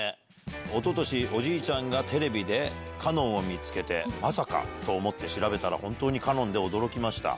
おととし、おじいちゃんがテレビでかのんを見つけて、まさかと思って調べたら、本当にかのんで驚きました。